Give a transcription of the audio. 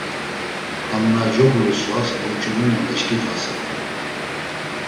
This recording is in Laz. Ham na coburu svas burç̌ulina meşǩidvasert̆u.